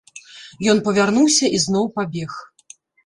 Ён павярнуўся і зноў пабег.